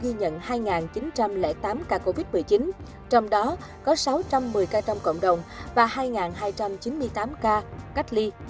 ghi nhận hai chín trăm linh tám ca covid một mươi chín trong đó có sáu trăm một mươi ca trong cộng đồng và hai hai trăm chín mươi tám ca cách ly